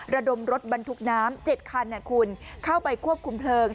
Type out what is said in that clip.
ระดมรถบรรทุกน้ำ๗คันเข้าไปควบคุมเพลิง